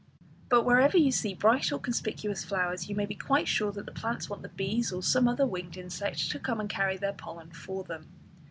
But wherever you see bright or conspicuous flowers you may be quite sure that the plants want the bees or some other winged insect to come and carry their pollen for them.